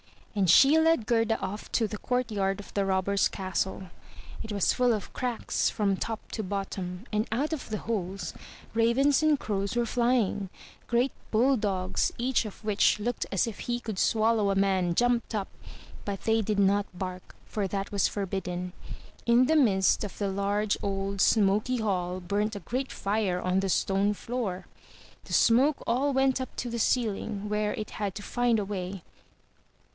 '* And she led Gerda off to the courtyard of the robber's castle. It was full of cracks from top to bottom, and out of the holes ravens and crows were flying; great bulldogs, each of which looked as if he could swallow a man, jumped up, but they did not bark, for that was forbidden. In the midst of the large, old, smoky hall burnt a great fire on the stone floor. The smoke all went up to the ceiling where it had to find a way.